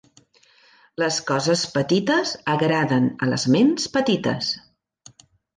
Les coses petites agraden a les ments petites.